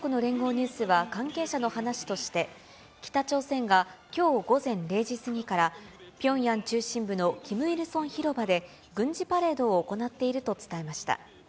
ニュースは関係者の話として、北朝鮮がきょう午前０時過ぎから、ピョンヤン中心部の金日成広場で、軍事パレードを行っていると伝えました。